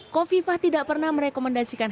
kofifah tidak pernah merekomendasikan